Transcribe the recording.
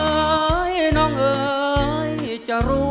สมาธิพร้อมเพลงที่๑เพลงมาครับ